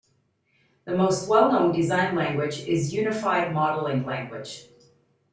The most well known design language is Unified Modeling Language.